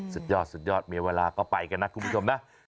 สุดยอดสุดยอดมีเวลาก็ไปกันนะคุณผู้ชมนะ